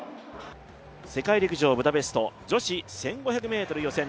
世界陸上ブダペスト、女子１５００ｍ予選。